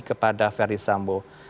kepada verdi sambo